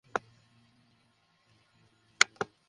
গোসল করার সময় গায়ে সাবান মেখেছে, এমন সময় শাওয়ারে পানি নেই।